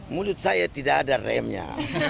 mulut saya tidak ada remnya